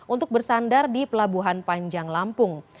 untuk bersandar di pelabuhan panjang lampung